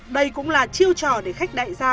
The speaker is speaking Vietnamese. đây cũng là chiêu trò để khách đại gia